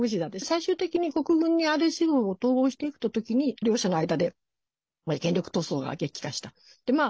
最終的に国軍にＲＳＦを統合していく時に両者の間で権力闘争が激化した。